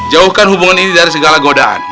jauhkan hubungan ini dari segala godaan